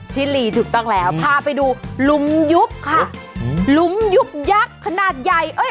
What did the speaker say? ชิลีถูกต้องแล้วพาไปดูหลุมยุบค่ะหลุมยุบยักษ์ขนาดใหญ่เอ้ย